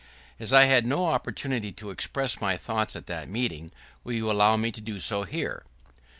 [¶2] As I had no opportunity to express my thoughts at that meeting, will you allow me to do so here?